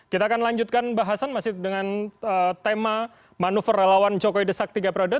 kita akan lanjutkan bahasan masih dengan tema manuver relawan jokowi desak tiga periode